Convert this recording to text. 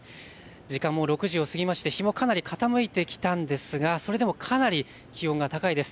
時間も６時を過ぎまして日もかなり傾いてきたんですがそれでもかなり気温が高いです。